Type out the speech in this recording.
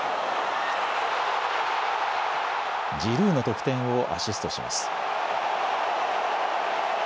ジルーの得点をアシストします。